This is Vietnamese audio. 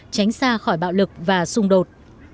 tránh xa khỏi bạo lực và xung đột